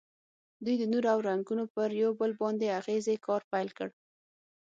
دوی د نور او رنګونو پر یو بل باندې اغیزې کار پیل کړ.